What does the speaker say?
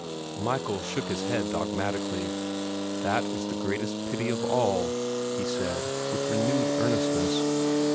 Michael shook his head dogmatically. "That is the greatest pity of all," he said, with renewed earnestness.